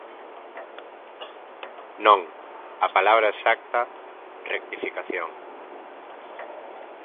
Non, a palabra exacta, rectificación.